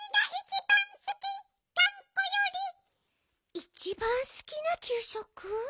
いちばんすきなきゅうしょく？